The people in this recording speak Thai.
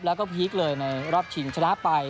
แล้วก็พีคเลยในรอบชิงชนะไป